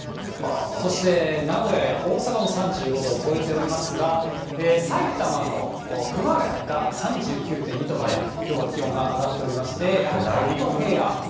そして名古屋や大阪も３５度を超えておりますが、埼玉の熊谷が３９．２度まできょうは気温が上がっておりまして、やはり関東平野。